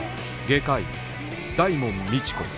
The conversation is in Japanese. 外科医大門未知子